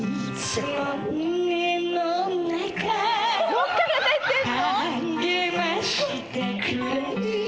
どっから出てんの？